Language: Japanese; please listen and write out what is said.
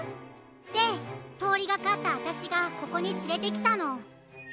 でとおりがかったあたしがここにつれてきたの。